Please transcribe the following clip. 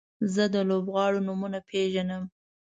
زه د لوبغاړو نومونه پیژنم.